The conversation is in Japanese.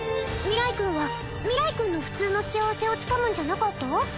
明日君は明日君の普通の幸せをつかむんじゃなかった？